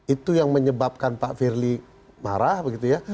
itu yang menyebabkan pak firly marah begitu ya